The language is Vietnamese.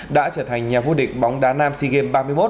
đã trở thành nhà vô địch bóng đá nam sigem ba mươi một